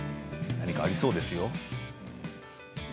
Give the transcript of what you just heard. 何かありそうですよ。